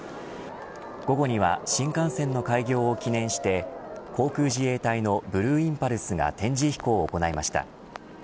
午後には新幹線の開業を記念して航空自衛隊のブルーインパルスが展示飛行を行いました。